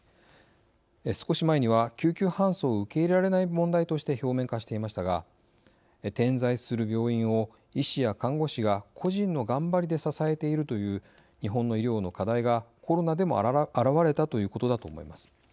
少し前には救急搬送を受け入れられない問題として表面化していましたが点在する病院を医師や看護師が個人の頑張りで支えているという日本の医療の課題がコロナでも表れたということだと思います。